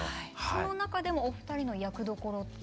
その中でもお二人の役どころって。